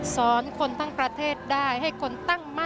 สวัสดีครับ